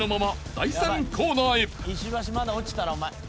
まだ落ちたらお前。